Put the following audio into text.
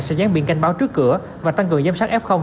sẽ gián biện canh báo trước cửa và tăng cường giám sát ép không